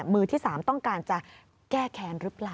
มือที่๓ต้องการจะแก้แค้นหรือเปล่า